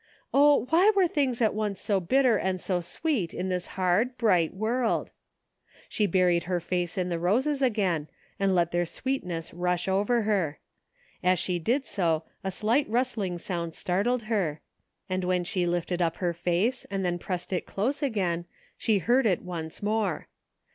Oh, why were things at once so bitter and so sweet in this hard, bright world ? She buried her face in the roses again and let their sweetness rush over her. As she did so a slight rustling sound startled her, and when she lifted up her face and then pressed it close again she heard it once more.